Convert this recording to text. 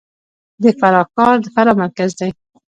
د فراه ښار د فراه مرکز دی